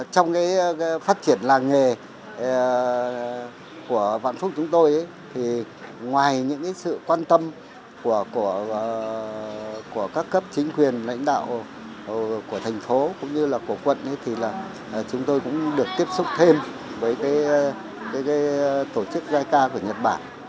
trong cái phát triển làng nghề của vạn phúc chúng tôi thì ngoài những cái sự quan tâm của các cấp chính quyền lãnh đạo của thành phố cũng như là của quận thì là chúng tôi cũng được tiếp xúc thêm với cái tổ chức giai ca của nhật bản